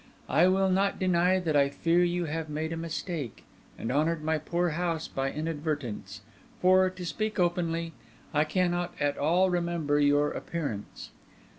I will not deny that I fear you have made a mistake and honoured my poor house by inadvertence; for, to speak openly, I cannot at all remember your appearance.